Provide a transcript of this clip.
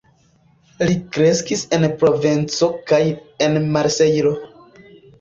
Li kreskis en Provenco kaj en Marsejlo.